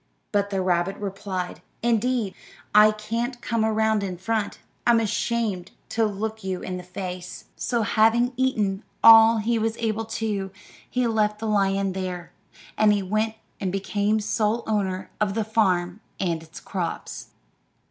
But the rabbit replied, "Indeed, I can't come around in front; I'm ashamed to look you in the face." So, having eaten all he was able to, he left the lion there, and went and became sole owner of the farm and its crops.